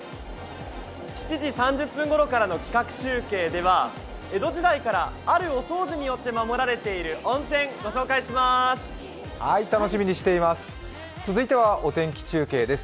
７時３０分ごろからの企画中継では江戸時代からあるお掃除によって守られている温泉、ご紹介します。